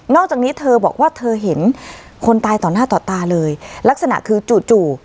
อกจากนี้เธอบอกว่าเธอเห็นคนตายต่อหน้าต่อตาเลยลักษณะคือจู่จู่